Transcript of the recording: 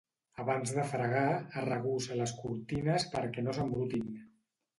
Abans de fregar, arregussa les cortines perquè no s'embrutin.